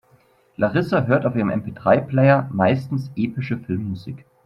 Larissa hört auf ihrem MP-drei-Player meistens epische Filmmusik.